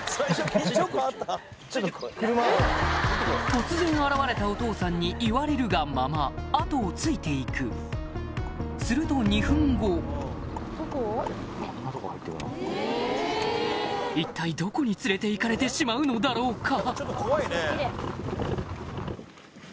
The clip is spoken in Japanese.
突然現れたお父さんに言われるがまま後をついて行くすると２分後一体どこに連れて行かれてしまうのだろうか？